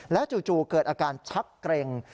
จู่เกิดอาการชักเกร็ง